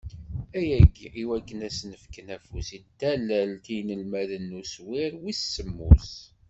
Ayagi, i wakken ad asen-fken afus n tallelt i yinelmaden n uswir wis semmus.